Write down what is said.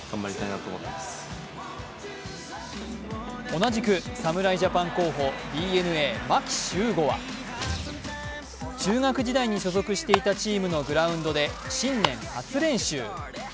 同じく侍ジャパン候補ＤｅＮＡ・牧秀悟は中学時代に所属していたチームのグラウンドで新年初練習。